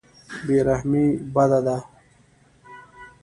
بې رحمي بده ده.